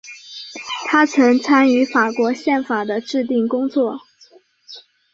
他曾参与法国宪法的制订工作。